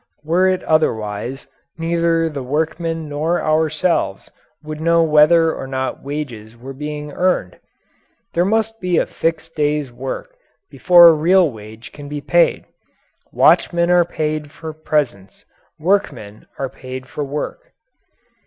Were it otherwise, neither the workman nor ourselves would know whether or not wages were being earned. There must be a fixed day's work before a real wage can be paid. Watchmen are paid for presence. Workmen are paid for work.